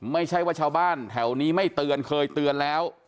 ไม่ใช่ว่าชาวบ้านแถวนี้ไม่เตือนเคยเตือนแล้ว